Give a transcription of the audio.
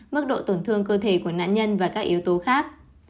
mức độ tổn thương cơ thể của nạn nhân và các yếu tố khác